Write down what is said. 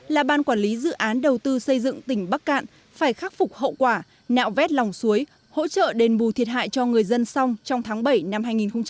là ban quản lý dự án đầu tư xây dựng tỉnh bắc cạn phải khắc phục hậu quả nạo vét lòng suối hỗ trợ đền bù thiệt hại cho người dân xong trong tháng bảy năm hai nghìn hai mươi